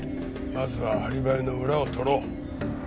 まずはアリバイの裏を取ろう。